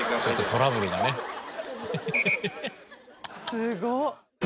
すごっ！